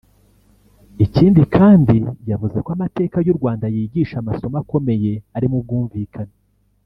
Ikindi kandi yavuze ko amateka y’u Rwanda yigisha amasomo akomeye arimo ubwumvikane